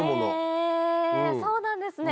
へぇそうなんですね。